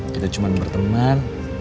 kita cuma berteman